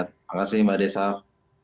terima kasih mbak desaf